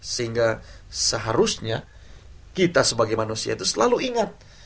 sehingga seharusnya kita sebagai manusia itu selalu ingat